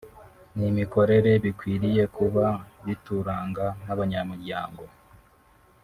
n’imikorere bikwiriye kuba bituranga nk’abanyamuryango